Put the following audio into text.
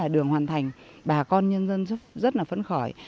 đường hoàn thành bà con nhân dân rất là phấn khởi